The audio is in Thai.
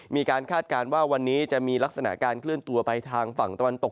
คาดการณ์ว่าวันนี้จะมีลักษณะการเคลื่อนตัวไปทางฝั่งตะวันตก